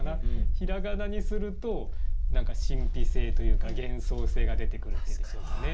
平仮名にすると何か神秘性というか幻想性が出てくるっていうんでしょうかね。